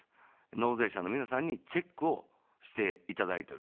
納税者の皆さんにチェックをしていただいていると。